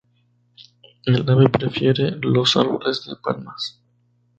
El ave prefiere los árboles de palmas.